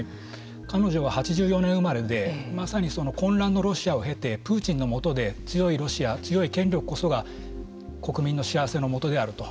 彼女は８４年生まれでまさに混乱のロシアを経てプーチンのもとで強いロシア強い権力こそが国民の幸せのもとであると。